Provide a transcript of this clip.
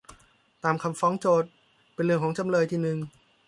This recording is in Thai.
ตามคำฟ้องโจทก์เป็นเรื่องจำเลยที่หนึ่ง